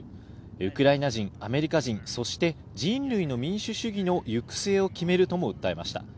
ウクライナ人、アメリカ人、そして人類の民主主義の行く末を決めるとも訴えました。